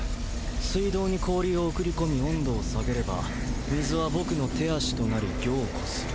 水道に氷を送り込み温度を下げれば水は僕の手足となり凝固する。